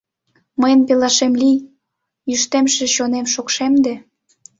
Мыйын пелашем лий, йӱштемше чонем шокшемде.